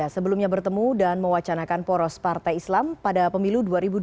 sebelumnya bertemu dan mewacanakan poros partai islam pada pemilu dua ribu dua puluh